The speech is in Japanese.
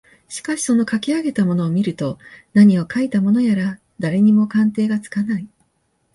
しかしそのかき上げたものを見ると何をかいたものやら誰にも鑑定がつかない